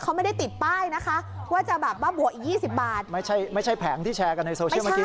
เขาไม่ได้ติดป้ายนะคะว่าจะแบบว่าบวกอีกยี่สิบบาทไม่ใช่ไม่ใช่แผงที่แชร์กันในโซเชียลเมื่อกี้